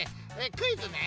クイズね。